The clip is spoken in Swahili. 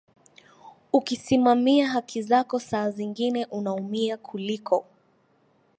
ukisimamia haki zako saa zingine unaumia kuliko